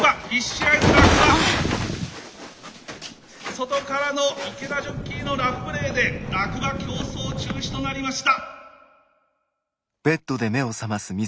外からの池田ジョッキーのラフプレーで落馬競走中止となりました。